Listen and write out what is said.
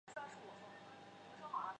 半胱氨酸的非必需氨基酸。